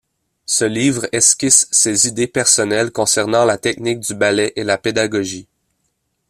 Ce livre esquisse ses idées personnelles concernant la technique du ballet et la pédagogie.